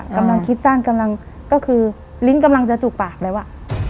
กำลังคิดสั้นกำลังก็คือลิ้นกำลังจะจุกปากแล้วอ่ะ